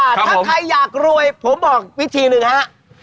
ถ้าใครอยากรวยผมบอกวิธีหนึ่งฮะ